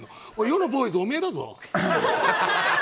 世のボーイズ、おめえだぞ！